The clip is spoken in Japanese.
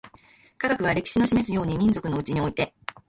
科学は、歴史の示すように、民族のうちにおいて